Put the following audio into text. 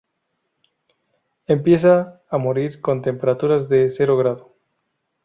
Empieza a morir con temperaturas de cero grado.